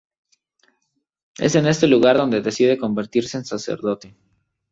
Es en este lugar donde decide convertirse en sacerdote.